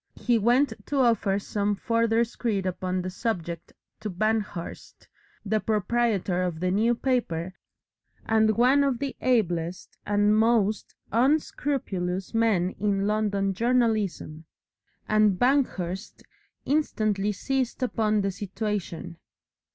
He went to offer some further screed upon the subject to Banghurst, the proprietor of the New Paper, and one of the ablest and most unscrupulous men in London journalism, and Banghurst instantly seized upon the situation.